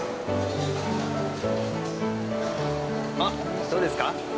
あっどうですか？